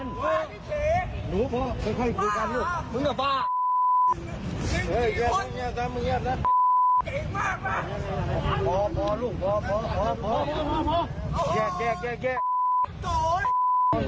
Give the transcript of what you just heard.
ตอตอตอตอตอแยกแยกแยกแยก